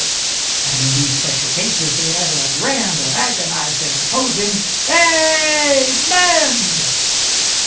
and in these special cases they added a grand and agonised and imposing "A a a a men!"